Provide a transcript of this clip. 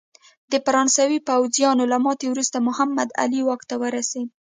د فرانسوي پوځیانو له ماتې وروسته محمد علي واک ته ورسېد.